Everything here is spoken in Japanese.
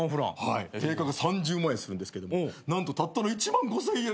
定価が３０万円するんですけども何とたったの１万５，０００円。